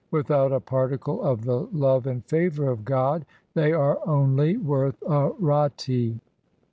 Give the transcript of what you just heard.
Without a particle of the love and favour of God they are only worth a ratti x